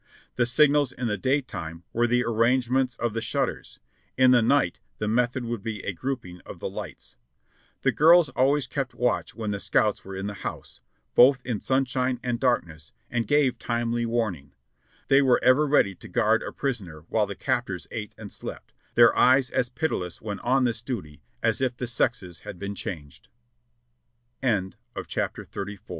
The signals in the daytime were the arrangements of the shutters ; in the night the method would be a grouping of the lights. The girls always kept watch when the scouts were in the house, both in sunshine and darkness, and gave timely warning ; they were ever ready to guard a prisoner while the captors ate and slept; their hands were as steady, their eyes as pitiless when on this duty, as if the sexe